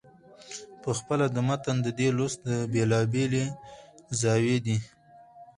پخپله د متن د دې لوست بېلابېلې زاويې دي.